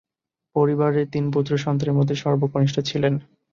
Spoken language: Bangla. পরিবারের তিন পুত্র সন্তানের মধ্যে সর্বকনিষ্ঠ ছিলেন।